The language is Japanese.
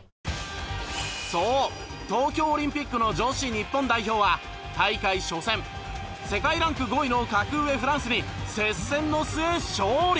そう東京オリンピックの女子日本代表は大会初戦世界ランク５位の格上フランスに接戦の末勝利！